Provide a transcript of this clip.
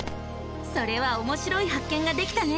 それはおもしろい発見ができたね！